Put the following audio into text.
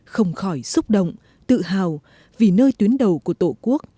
không khỏi xúc động tự hào vì nơi tuyến đầu của tổ quốc